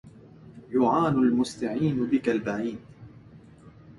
يعان المستعين بك البعيد